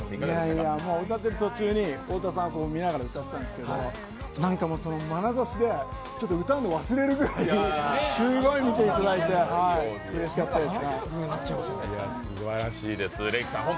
歌ってる最中に、太田さんを見ながら歌ってたんですけど、何かまなざしで歌うの忘れるぐらいすごい見ていただいてうれしかったです。